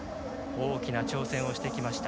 大きな挑戦をしてきました。